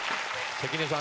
関根さん